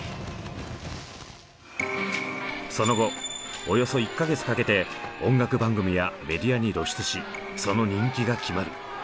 その後およそ１か月かけて音楽番組やメディアに露出しその人気が決まる。